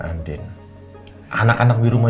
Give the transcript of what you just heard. antin anak anak di rumah